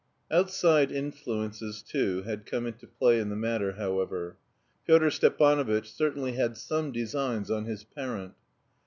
III Outside influences, too, had come into play in the matter, however. Pyotr Stepanovitch certainly had some designs on his parent.